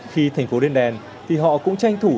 khi thành phố lên đèn thì họ cũng tranh thủ